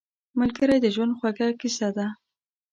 ملګری د ژوند خوږه کیسه ده